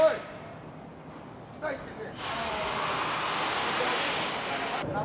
下へ行ってくれ。